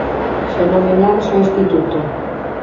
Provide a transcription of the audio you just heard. Xa non veñades ao Instituto."».